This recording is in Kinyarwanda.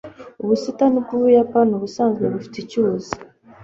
ubusitani bw'ubuyapani ubusanzwe bufite icyuzi